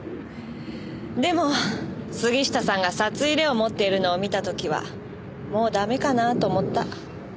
でも杉下さんが札入れを持っているのを見た時はもうダメかなぁと思った。